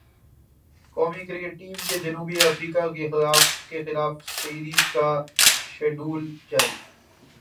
قومی cricket team کے جنوبی افریقہ کیخلاف سیریز کا شیڈول جاری